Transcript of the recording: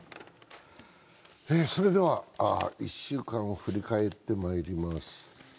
それでは１週間を振り返ってまいります。